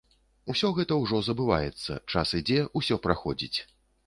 Усё гэта ўжо забываецца, час ідзе, усё праходзіць.